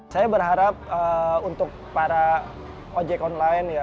saya berharap untuk para ojek online ya